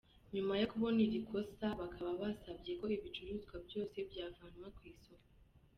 Nyuma yo kubona iri kosa bakaba basabye ko ibicuruzwa byose byavanwa ku isoko.